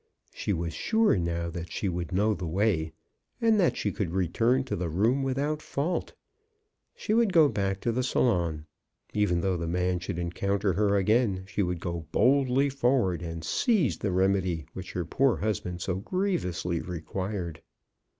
She was sure now that she would know the way, and that she could return to the room without fault. She would go back to the salon. Even though the man should encoun ter her again, she would go boldly forward and seize the remedy which her poor husband so grievously required.